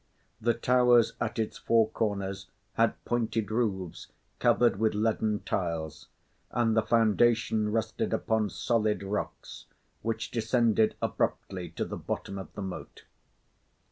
The towers at its four corners had pointed roofs covered with leaden tiles, and the foundation rested upon solid rocks, which descended abruptly to the bottom of the moat.